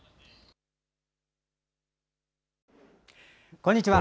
こんにちは。